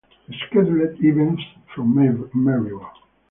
Rescheduled events from Maribor.